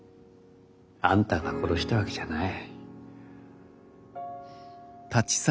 あんたが殺したわけじゃない。